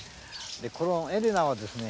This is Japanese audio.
このエレナはですね